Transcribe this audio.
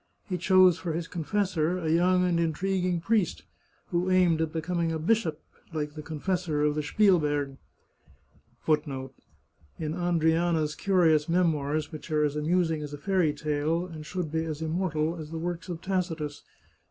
He chose for his confessor a young and intriguing priest, who aimed at be coming a bishop (like the confessor of the Spielberg).* ♦ In Andryana's curious memoirs which are as amusing as a fairy tale and should be as immortal as the works ot Tacitus.